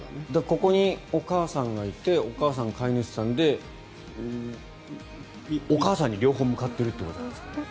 ここにお母さんがいてお母さん、飼い主さんでお母さんに両方向かってるってことじゃないですか。